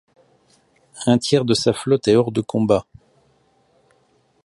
Un tiers de sa flotte est hors de combat.